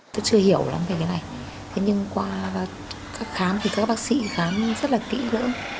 tôi chưa hiểu lắm về cái này thế nhưng qua các khám thì các bác sĩ khám rất là kỹ lưỡng